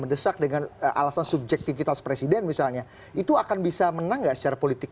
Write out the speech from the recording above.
mendesak dengan alasan subjektivitas presiden misalnya itu akan bisa menang gak secara politik